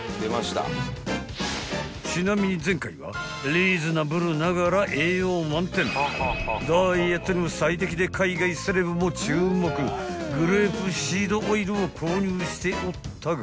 ［ちなみに前回はリーズナブルながら栄養満点ダイエットにも最適で海外セレブも注目グレープシードオイルを購入しておったが］